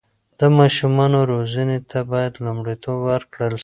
د ماشومانو روزنې ته باید لومړیتوب ورکړل سي.